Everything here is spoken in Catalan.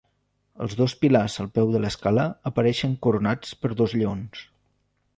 Els dos pilars al peu de l'escala apareixen coronats per dos lleons.